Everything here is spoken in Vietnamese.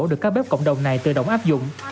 được các bếp cộng đồng này tự động áp dụng